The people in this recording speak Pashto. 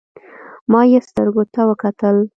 ما يې سترګو ته وکتل.